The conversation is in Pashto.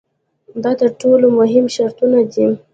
دا تر ټولو مهم شرطونه دي.